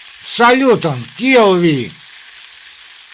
Saluton kiel vi?